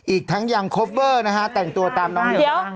อีกทั้งยังคอเวอร์นะฮะแต่งตัวตามน้องลาลิซ่านี้